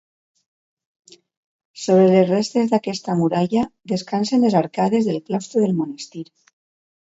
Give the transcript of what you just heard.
Sobre les restes d'aquesta muralla descansen les arcades del claustre del monestir.